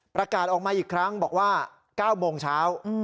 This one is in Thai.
ประกาศออกมาอีกครั้งบอกว่า๙โมงเช้า